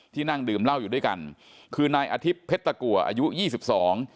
นั่งดื่มเหล้าอยู่ด้วยกันคือนายอาทิตย์เพชรตะกัวอายุยี่สิบสอง